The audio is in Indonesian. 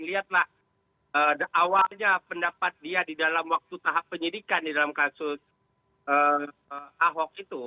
lihatlah awalnya pendapat dia di dalam waktu tahap penyidikan di dalam kasus ahok itu